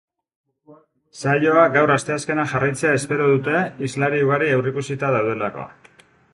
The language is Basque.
Saioa gaur asteazkena jarraitzea espero dute, hizlari ugari aurrikusita daudelako.